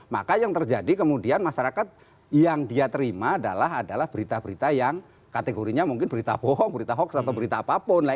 maka yang terjadi kemudian masyarakat yang dia terima adalah berita berita yang kategorinya mungkin berita bohong berita hoax atau berita apapun